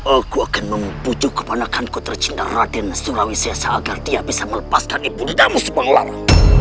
aku akan membujuk ke manakanku tercinta radin surawis sesa agar dia bisa melepaskan ibu bundamu sebang larang